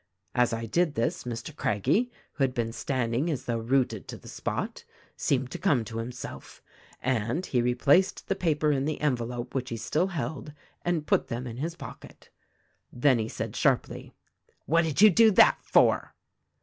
"As I did this Mr. Craggie — who had been standing as though rooted to the spot — seemed to come to himself, and he replaced the paper in the envelope which he still held and put them in his pocket. "Then he said sharply, 'What did you do that for?'